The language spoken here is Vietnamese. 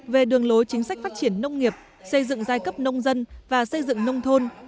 về đường lối chính sách phát triển nông nghiệp xây dựng giai cấp nông dân và xây dựng nông thôn